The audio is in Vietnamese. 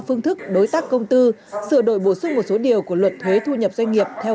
phương thức đối tác công tư sửa đổi bổ sung một số điều của luật thuế thu nhập doanh nghiệp theo